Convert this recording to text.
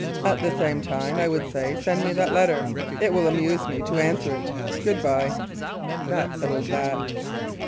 At the same time I would say, send me that letter. It will amuse me to answer it. Good bye." That settled that.